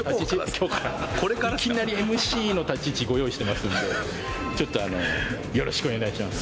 いきなりＭＣの立ち位置ご用意してますのでちょっとあのよろしくお願いします。